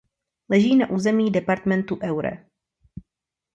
Leží na území departementu Eure.